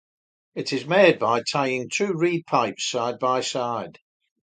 It is made by tying two reed pipes side by side.